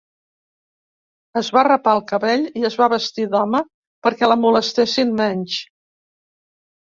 Es va rapar el cabell i es va vestir d'home perquè la molestessin menys.